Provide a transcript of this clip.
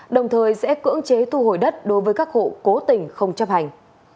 đồng thời sẽ cưỡng chế thu hồi đất đối với các hộ cố tình không chấp hành